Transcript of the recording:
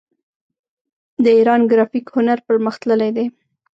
د ایران ګرافیک هنر پرمختللی دی.